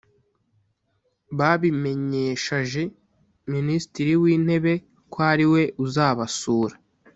babimenyeshaje minisitiri w’intebe ko ariwe uzabasura